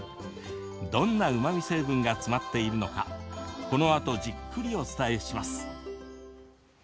どんなうまみ成分が詰まっているのかこのあとじっくりお伝えします。